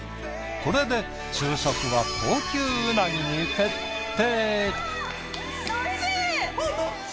これで昼食は高級うなぎに決定。